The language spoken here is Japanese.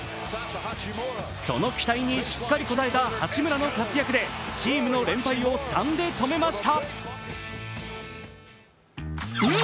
その期待にしっかり応えた八村の活躍でチームの連敗を３で止めました。